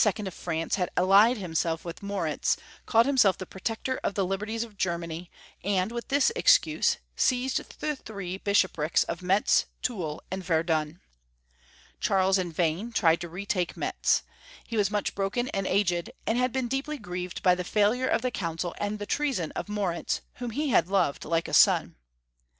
of France had allied himself with Moritz, called himself the Protector of the Liberties of Germany, and, Avith this excuse, seized the tliree Bishoprics of Metz, Toul, and Verdun. Charles in vain tried to retake Metz. He was much broken and aged, and had been deeply grieved by the failure of the Council and the treason of Moritz, whom he had loved like a son.